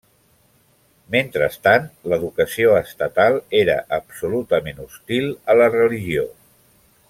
Mentrestant, l'educació estatal era absolutament hostil a la religió.